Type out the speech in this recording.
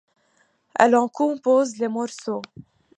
Elle en compose les morceaux.